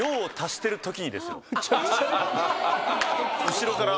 後ろから。